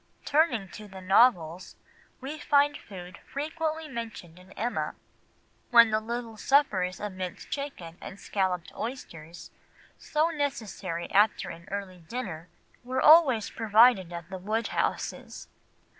Turning to the novels, we find food frequently mentioned in Emma, when the little suppers of minced chicken and scalloped oysters, so necessary after an early dinner, were always provided at the Woodhouses.